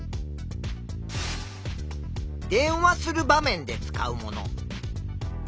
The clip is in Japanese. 「電話する場面で使うもの」。